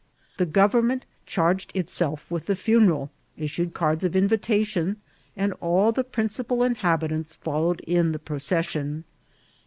The government char ged itself with the faneral, issued cards of invitation, and all the principal inhabitants followed in the pro % cessicHi.